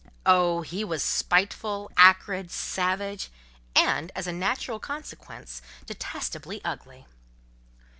Oh! he was spiteful, acrid, savage; and, as a natural consequence, detestably ugly.